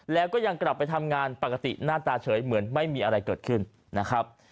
แล้วก็ยังกลับไปทำงานปกติหน้าตาเฉยเหมือนไม่มีอะไรเกิดขึ้นนะครับ